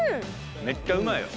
めっちゃうまいよ。